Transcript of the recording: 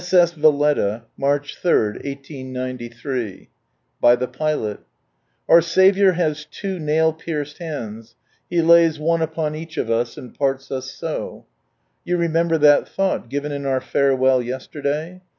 S.S. Va/etta, March 3, 1893. By tfie Pilot. — "Our Saviour has two nail pierced hands. He lays one upon each of us, and parts us sa" You remember that thought, given in our Farewell yesterday